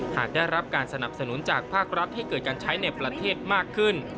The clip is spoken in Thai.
หากได้รับการสนับสนุนจากภาครัฐให้เกิดการใช้ในประเทศมากขึ้น